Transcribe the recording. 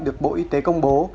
được bộ y tế công bố